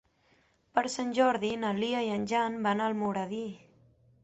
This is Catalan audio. Per Sant Jordi na Lia i en Jan van a Almoradí.